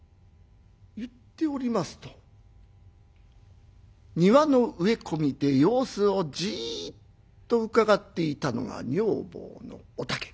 言っておりますと庭の植え込みで様子をじっとうかがっていたのが女房のお竹。